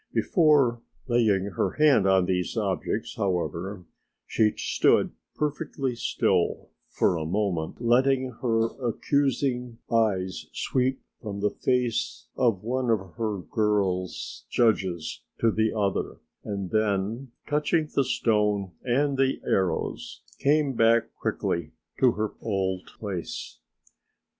Before laying her hand on these objects, however, she stood perfectly still for a moment, letting her accusing eyes sweep from the face of one of her girl judges to the other and then, touching the stone and the arrows, came back quickly to her old place.